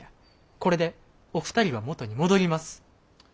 これでお二人は元に戻ります！